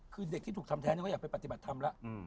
คือเด็กที่ถูกทำแท้นี่เขาอยากไปปฏิบัติธรรมแล้ว